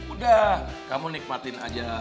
udah kamu nikmatin aja